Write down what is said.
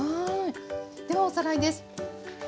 ではおさらいです。